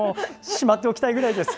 しまっておきたいぐらいです。